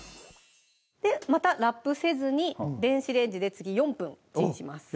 でまたラップせずに電子レンジで次４分チンします